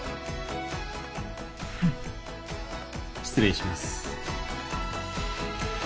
フン失礼します